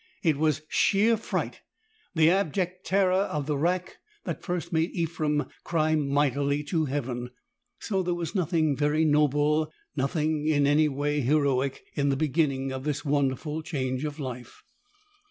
It was sheer fright, the abject terror of the rack, that first made Ephrem cry mightily to Heaven. So there was noth ing very noble, nothing in any way heroic, in the beginning of this wonderful change of life.